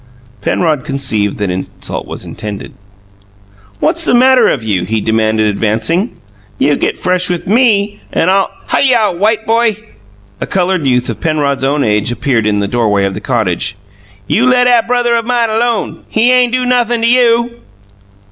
Penrod conceived that insult was intended. "What's the matter of you?" he demanded advancing. "You get fresh with ME, and I'll " "Hyuh, white boy!" A coloured youth of Penrod's own age appeared in the doorway of the cottage. "You let 'at brothuh mine alone. He ain' do nothin' to you."